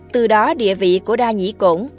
từ đó địa vị của đa nhĩ cổn